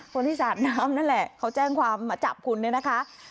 คนที่สาดน้ำนั่นแหละเขาแจ้งความมาจับคุณเนี่ยนะคะ